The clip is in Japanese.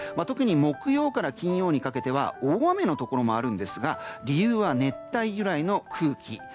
特に木曜から金曜にかけては大雨のところもあるんですが理由は熱帯由来の空気。